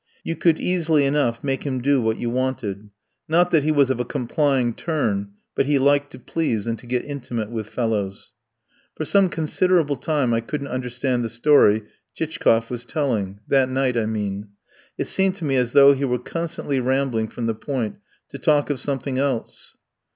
You could easily enough make him do what you wanted ... not that he was of a complying turn, but he liked to please and to get intimate with fellows. For some considerable time I couldn't understand the story Chichkoff was telling; that night I mean. It seemed to me as though he were constantly rambling from the point to talk of something else.